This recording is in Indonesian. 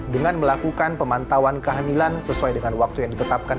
dengan melakukan pemantauan kehamilan sesuai dengan waktu yang ditetapkan